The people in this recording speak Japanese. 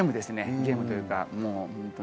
ゲームというか。